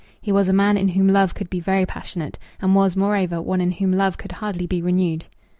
He was a man in whom Love could be very passionate; and was, moreover, one in whom Love could hardly be renewed.